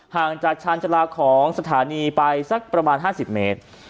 ห่างจากชาญจลาของสถานีไปสักประมาณ๕๐เมตร